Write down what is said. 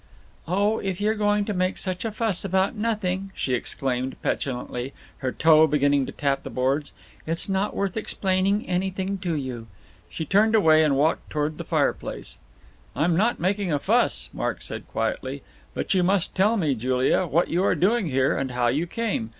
"Oh, if you're going to make such a fuss about nothing," she exclaimed petulantly, her toe beginning to tap the boards, "it's not worth explaining anything to you." She turned away and walked towards the fireplace. "I'm not making a fuss," Mark said quietly, "but you must tell me, Julia, what you are doing here, and how you came.